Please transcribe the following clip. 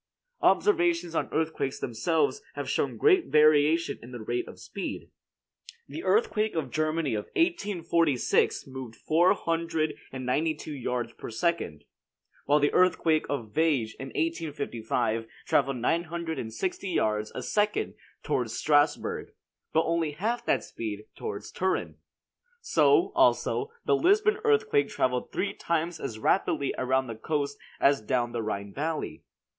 Observations on earthquakes themselves have shown great variation in the rate of speed. The earthquake of Germany of 1846 moved four hundred and ninety two yards per second; while the earthquake of Viege in 1855 traveled nine hundred and sixty yards a second toward Strasburg, but only half that speed towards Turin. So, also, the Lisbon earthquake traveled three times as rapidly around the coast as down the Rhine valley.